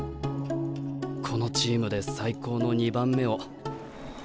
このチームで最高の２番目を。